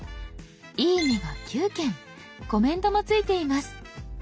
「いいね」が９件コメントもついています。